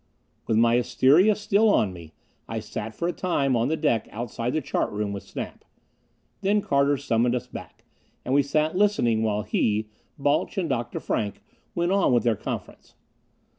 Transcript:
With my hysteria still on me, I sat for a time on the deck outside the chart room with Snap. Then Carter summoned us back, and we sat listening while he, Balch and Dr. Frank went on with their conference.